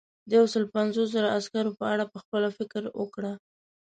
د یو سلو پنځوس زرو عسکرو په اړه پخپله فکر وکړه.